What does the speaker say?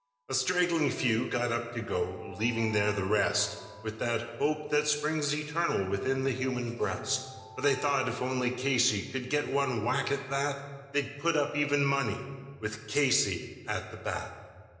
A straggling few got up to go, leaving there the rest With that hope that springs eternal within the human breast; For they thought if only Casey could get one whack, at that They'd put up even money, with Casey at the bat.